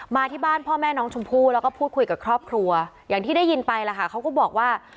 มาที่บ้านพ่อแม่น้องชมพู่แล้วก็พูดคุยกับครอบครัวอย่างที่ได้ยินไปล่ะค่ะเขาก็บอกว่า